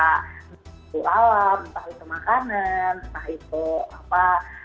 alam entah itu makanan entah itu apa